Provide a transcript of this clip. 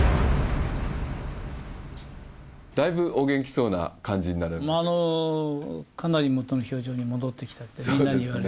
だいぶお元気そうな感じになられましたね。